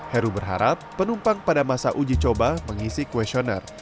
heru berharap penumpang pada masa uji coba mengisi questionnaire